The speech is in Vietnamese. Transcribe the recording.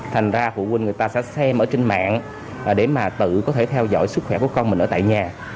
thành ra phụ huynh người ta sẽ xem ở trên mạng để mà tự có thể theo dõi sức khỏe của con mình ở tại nhà